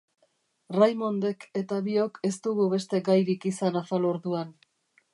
Raymondek eta biok ez dugu beste gairik izan afalorduan.